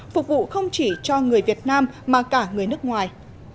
phục vụ không chỉ cho người việt nam mà cả người nước ngoài